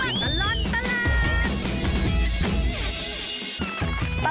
ชั่วตลอดตลาด